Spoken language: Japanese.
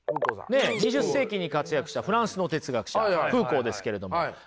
２０世紀に活躍したフランスの哲学者フーコーですけれども。